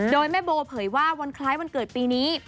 โดยแม่โบเผยว่าวันคล้ายวันเกิดปีนี้